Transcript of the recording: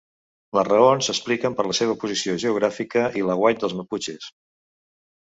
Les raons s'expliquen per la seva posició geogràfica i l'aguait dels maputxes.